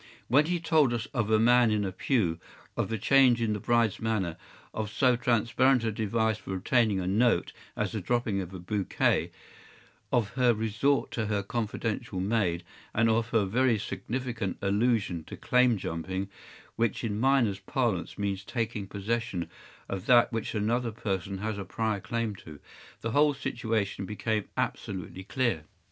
When he told us of a man in a pew, of the change in the bride’s manner, of so transparent a device for obtaining a note as the dropping of a bouquet, of her resort to her confidential maid, and of her very significant allusion to claim jumping—which in miners’ parlance means taking possession of that which another person has a prior claim to—the whole situation became absolutely clear.